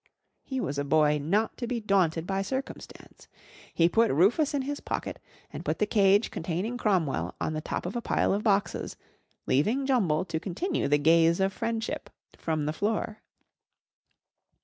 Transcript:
He was a boy not to be daunted by circumstance. He put Rufus in his pocket and put the cage containing Cromwell on the top of a pile of boxes, leaving Jumble to continue the gaze of friendship from the floor.